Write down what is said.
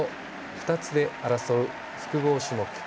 ２つで争う複合種目。